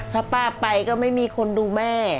ถ้าป้าไปก็ไม่มีคนดูแม่